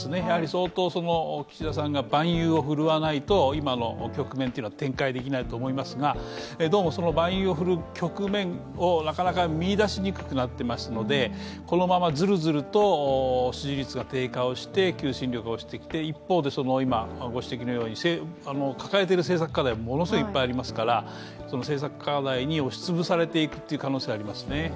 相当岸田さんが蛮勇をふるわないと今の局面は展開できないと思いますがどうもその蛮勇を奮う局面をなかなか見いだしにくくなっていますのでこのままずるずると支持率が低下して求心力が落ちてきて一方で、掲げている政策課題はものすごいいっぱいありますから、その政策課題に押し潰されていく可能性はありますね。